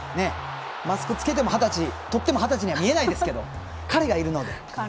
マスクつけても、とっても二十歳には見えないですけども彼がいるので。